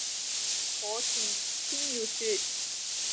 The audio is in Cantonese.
可是偏要説，